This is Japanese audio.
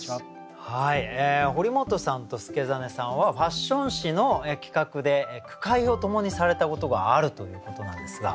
堀本さんと祐真さんはファッション誌の企画で句会を共にされたことがあるということなんですが。